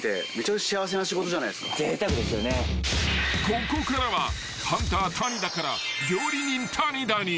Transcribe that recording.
［ここからはハンター谷田から料理人谷田に］